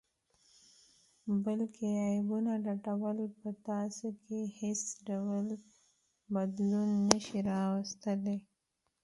بل کې عیبونه لټول په تاسې کې حیڅ ډول بدلون نه شي راوستلئ